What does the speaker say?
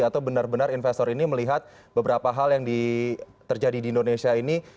atau benar benar investor ini melihat beberapa hal yang terjadi di indonesia ini